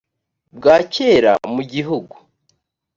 bwa kera mu gihugu